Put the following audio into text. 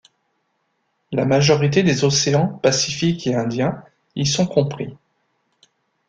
La majorité des océans Pacifique et Indien y sont compris.